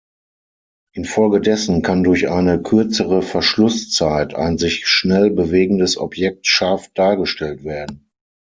Infolgedessen kann durch eine kürzere Verschlusszeit ein sich schnell bewegendes Objekt scharf dargestellt werden.